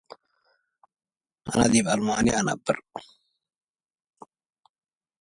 The town of Germantown formerly comprised the area now in the village of Germantown.